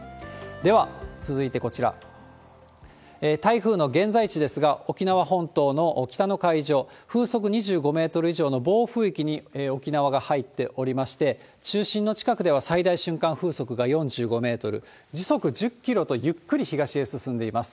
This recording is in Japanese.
では、続いてこちら、台風の現在地ですが、沖縄本島の北の海上、風速２５メートル以上の暴風域に沖縄が入っておりまして、中心の近くでは最大瞬間風速が４５メートル、時速１０キロとゆっくり東へ進んでいます。